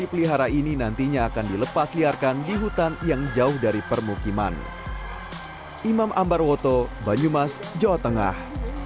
pelihara ini nantinya akan dilepas liarkan di hutan yang jauh dari permukiman imam ambarwoto banyumas jawa tengah